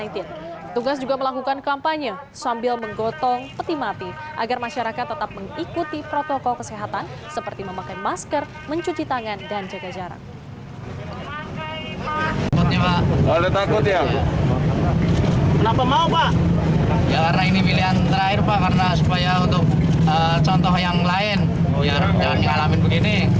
tugas juga melakukan kampanye sambil menggotong peti mati agar masyarakat tetap mengikuti protokol kesehatan seperti memakai masker mencuci tangan dan jaga jarak